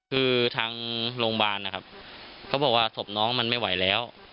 คือทางโรงพยาบาลนะครับเขาบอกว่าศพน้องมันไม่ไหวแล้ว